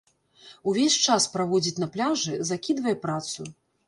Увесь час праводзіць на пляжы, закідвае працу.